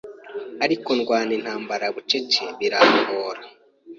ariko ndwana intambara bucece birangora